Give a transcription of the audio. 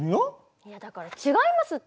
いやだから違いますって。